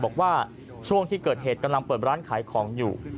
บอกว่าช่วงที่เกิดเหตุกำลังเปิดร้านขายของอยู่